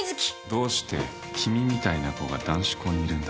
どうして君みたいな子が男子校にいるんだ？